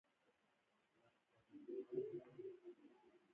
هغوی راته د سلطان صلاح الدین ایوبي په اړه جالبه کیسه وکړه.